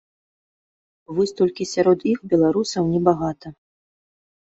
Вось толькі сярод іх беларусаў небагата.